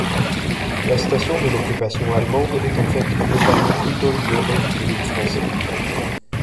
La station de l'occupation allemande est en fait globalement plutôt ignorée du public français.